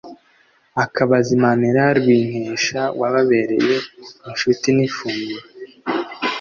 Akabazimanira Rwinkesha wababereye inshuti n' ifunguro.